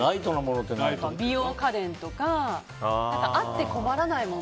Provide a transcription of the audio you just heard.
美容家電とかあって困らないもの。